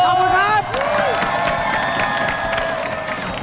ขอบคุณครับ